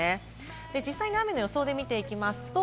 実際、雨の予想で見ていきます。